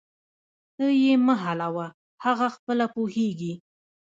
ته یې مه حلوه، هغه خپله پوهیږي